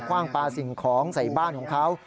ว่างปลาสิ่งของใส่บ้านของเขา